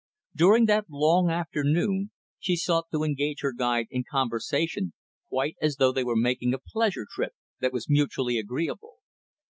During that long forenoon, she sought to engage her guide in conversation, quite as though they were making a pleasure trip that was mutually agreeable.